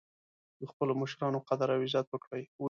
د خپلو مشرانو قدر او عزت وکړئ